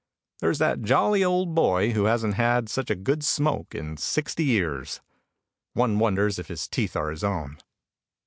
There's that jolly old boy who hasn't had such a good smoke in sixty years. One wonders if his teeth are his own.